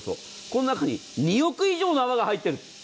この中に２億以上の泡が入っている。